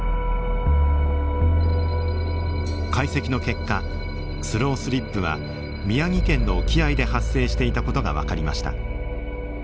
解析の結果スロースリップは宮城県の沖合で発生していた事が分かりました。